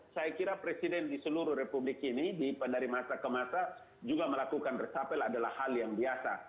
saya kira presiden di seluruh republik ini dari masa ke masa juga melakukan resapel adalah hal yang biasa